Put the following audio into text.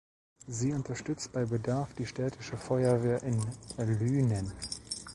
Sie unterstützt bei Bedarf die städtische Feuerwehr in Lünen.